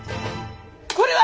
これは！